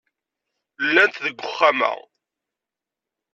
Llant deg uxxam-a.